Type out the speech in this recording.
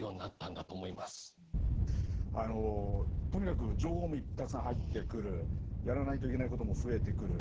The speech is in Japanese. あのとにかく情報もたくさん入ってくるやらないといけないことも増えてくる。